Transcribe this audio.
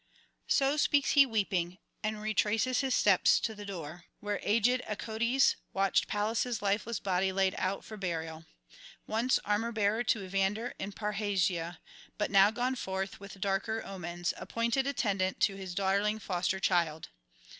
So speaks he weeping, and retraces his steps to the door, where aged Acoetes watched Pallas' lifeless body laid out for burial; once armour bearer to Evander in Parrhasia, but now gone forth with darker omens, appointed attendant to his darling foster child.